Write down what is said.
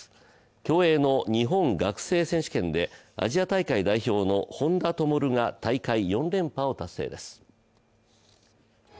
競泳の日本学生選手権でアジア大会代表の本多灯が大会４連覇を達成です。